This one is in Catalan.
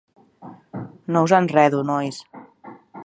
No us enredo, nois.